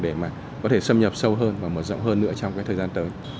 để có thể xâm nhập sâu hơn và mở rộng hơn nữa trong thời gian tới